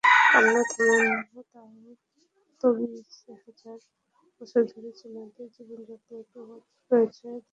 কান্না-থামানো তাও তাবিজহাজার বছর ধরে চীনাদের জীবনযাপনে প্রবল প্রভাব রয়েছে তাও মতবাদের।